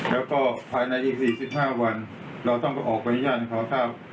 แล้วก็ภายในอีกสี่สิบห้าวันเราต้องไปออกบริญญาณขอสร้าง